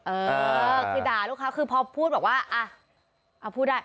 เออคือด่าลูกค้าคือพอพูดบอกว่าอ่ะพูดได้